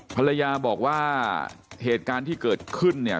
ภรรยาบอกว่าเหตุการณ์ที่เกิดขึ้นเนี่ย